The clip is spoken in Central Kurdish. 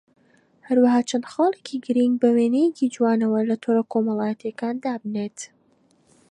هەروەها چەند خاڵێکی گرنگ بە وێنەیەکی جوانەوە لە تۆڕە کۆمەڵایەتییەکان دابنێیت